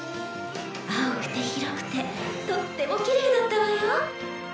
青くて広くてとってもきれいだったわよ。